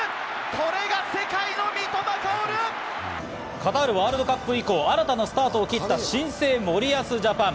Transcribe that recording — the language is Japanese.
カタールワールドカップ以降、新たなスタートを切った新生・森保ジャパン。